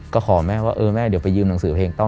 ก็ขอแม่ว่าเออแม่เดี๋ยวไปยืมหนังสือเพลง